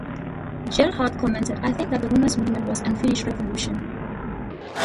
Gerhardt commented: I think that the Women's Movement was an unfinished revolution.